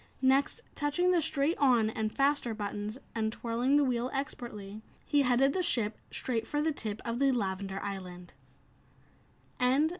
Next, touching the "straight on" and "faster" buttons, and twirling the wheel expertly, he headed the ship straight for the tip of the lavender island.